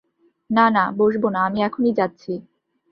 না না, বসব না, আমি এখনই যাচ্ছি।